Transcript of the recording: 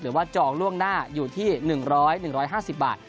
หรือว่าจองล่วงหน้าอยู่ที่๑๐๐๑๕๐บาท